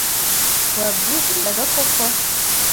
Wabyizeraga koko?